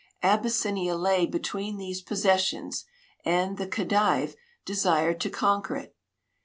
Ab}'ssinia lay between these possessions, and the Khedive desired to conquer it.